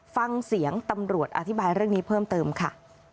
ฟังเสียงตำรวจอธิบายเรื่องนี้เพิ่มเติมค่ะ